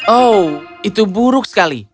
oh itu buruk sekali